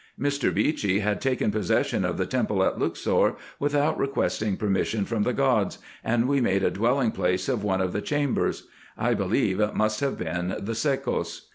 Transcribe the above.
Mr. Beechey had taken possession of the temple at Luxor, without requesting per mission from the Gods, and we made a dwelling place of one of the chambers : I believe it must have been the sekos.